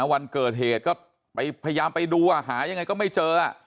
วันเกิดเหตุก็ไปพยายามไปดูหายังไงก็ไม่เจอ